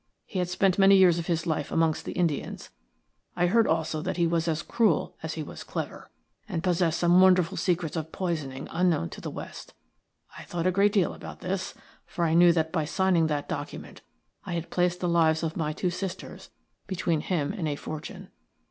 He had spent many years of his life amongst the Indians. I heard also that he was as cruel as he was clever, and possessed some wonderful secrets of poisoning unknown to the West. I thought a great deal about this, for I knew that by signing that document I had placed the lives of my two sisters between him and a fortune.